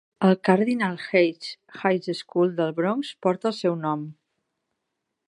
El Cardinal Hayes High School del Bronx porta el seu nom.